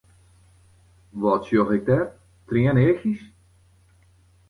Wat sjoch ik dêr, trieneachjes?